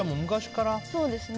そうですね。